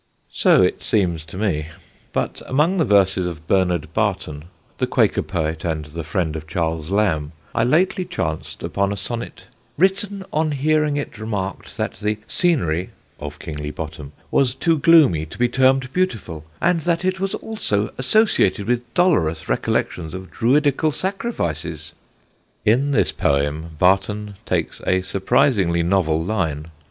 So it seems to me; but among the verses of Bernard Barton, the Quaker poet and the friend of Charles Lamb, I lately chanced upon a sonnet "written on hearing it remarked that the scenery [of Kingly Bottom] was too gloomy to be termed beautiful; and that it was also associated with dolorous recollections of Druidical sacrifices." In this poem Barton takes a surprisingly novel line.